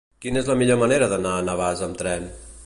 Quina és la millor manera d'anar a Navàs amb tren?